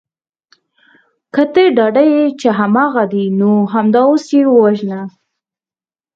که ته ډاډه یې چې هماغه دی نو همدا اوس یې ووژنه